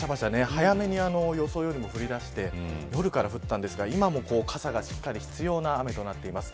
早めに予想よりも降りだして夜から降ったんですが今も傘がしっかり必要な雨となっています。